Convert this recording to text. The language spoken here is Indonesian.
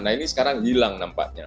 nah ini sekarang hilang nampaknya